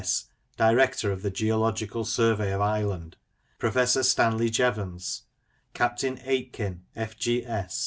S., Director of the Geological Survey pf Ireland; Professor Stanley Jevons ; Captain Aitken, F.G.S.